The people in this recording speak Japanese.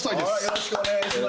よろしくお願いします。